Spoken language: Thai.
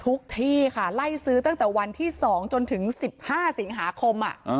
ที่ค่ะไล่ซื้อตั้งแต่วันที่๒จนถึง๑๕สิงหาคม